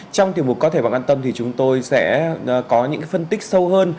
trong tiềm mục có thể bằng an tâm thì chúng tôi sẽ có những phân tích sâu hơn